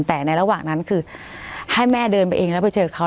แต่ในระหว่างนั้นคือให้แม่เดินไปเองแล้วไปเจอเขา